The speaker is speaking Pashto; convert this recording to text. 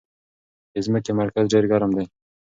د ځمکې مرکز ډېر ګرم دی.